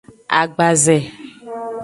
Agbaze.